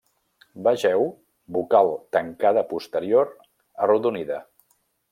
Vegeu Vocal tancada posterior arrodonida.